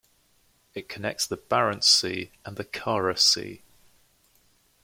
It connects the Barents Sea and the Kara Sea.